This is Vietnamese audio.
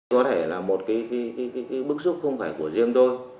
có thể là một cái bức xúc không phải của riêng tôi